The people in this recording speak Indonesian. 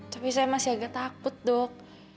tapi saya masih agak takut dok